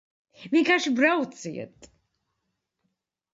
Vienkārši brauciet!